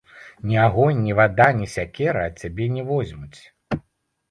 Ні агонь, ні вада, ні сякера цябе не возьмуць.